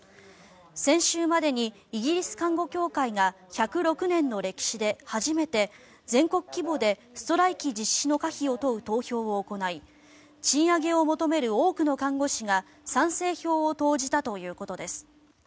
先週までにイギリス看護協会が１０６年の歴史で初めて全国規模でストライキ実施の可否を問う投票を行い賃上げを求める多くの看護師が賛成票を投じたということです。